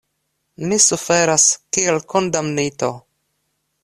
Mi suferas, kiel kondamnito.